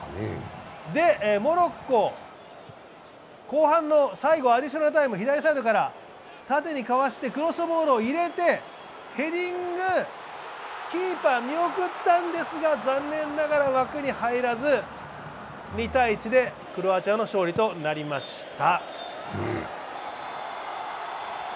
モロッコ、後半の最後アディショナルタイム、左サイドから縦にかわしてクロスボールを入れてヘディング、キーパー見送ったんですが残念ながら枠に入らず２−１でクロアチアの勝利となりました。